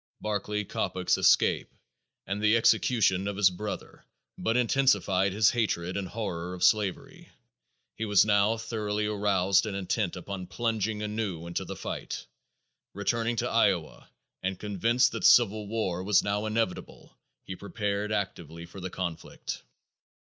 Barclay Coppock's escape and the execution of his brother but intensified his hatred and horror of slavery. He was now thoroughly aroused and intent upon plunging anew into the fight. Returning to Iowa, and convinced that civil war was now inevitable, he prepared actively for the conflict.